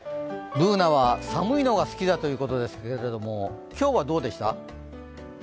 Ｂｏｏｎａは寒いのが好きだということですけれども今日はどうでした？